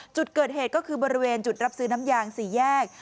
จุดเกิดเหตุก็คือบริเวณจุดรับซื้อน้ำยาง๔แยก